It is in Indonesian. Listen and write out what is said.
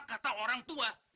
kata orang tua